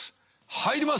入ります。